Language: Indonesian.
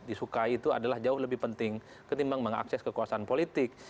disukai itu adalah jauh lebih penting ketimbang mengakses kekuasaan politik